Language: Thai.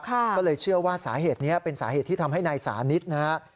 ก็เลยเชื่อว่าสาเหตุนี้เป็นสาเหตุที่ทำให้นายสานิทนะฮะ